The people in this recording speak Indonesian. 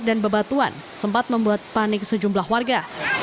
dan bebatuan sempat membuat panik sejumlah warga